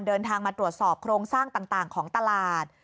เดินทางมาตรวจสอบโครงสร้างต่างของตลาด